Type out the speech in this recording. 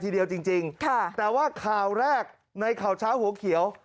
ทีเดียวจริงจริงค่ะแต่ว่าข่าวแรกในข่าวเช้าหัวเขียว